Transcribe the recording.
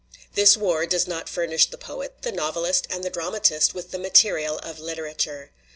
"This war does not furnish the poet, the novelist, and the dramatist with the material of literature.